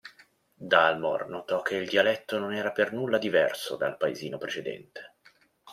Dalmor notò che il dialetto non era per nulla diverso dal paesino precedente.